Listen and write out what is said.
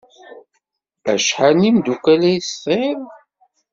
Acḥal n yimeddukal ay tesɛiḍ?